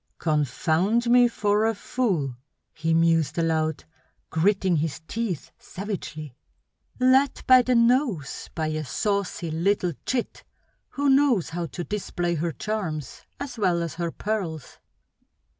"Confound me for a fool!" he mused aloud, gritting his teeth savagely. "Led by the nose by a saucy little chit who knows how to display her charms as well as her pearls!"